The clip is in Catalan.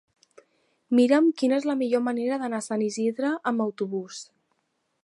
Mira'm quina és la millor manera d'anar a Sant Isidre amb autobús.